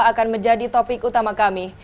akan menjadi topik utama kami